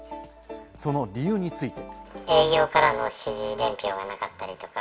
その理由について。